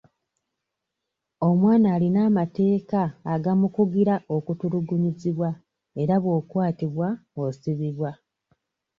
Omwana alina amateeka agamukugira okutulugunyizibwa era bw'okwatibwa osibibwa.